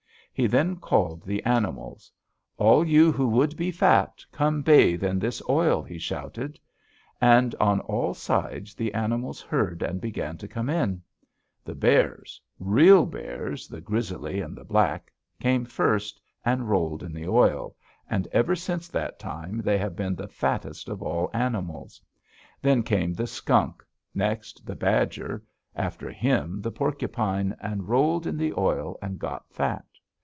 He then called the animals. 'All you who would be fat, come bathe in this oil,' he shouted. And on all sides the animals heard and began to come in. The bears real bears, the grizzly and the black came first and rolled in the oil, and ever since that time they have been the fattest of all animals. Then came the skunk; next the badger; after him the porcupine, and rolled in the oil and got fat.